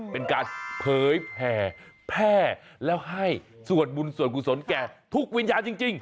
เป็นการเผยแผ่แพร่แล้วให้สวดบุญส่วนกุศลแก่ทุกวิญญาณจริง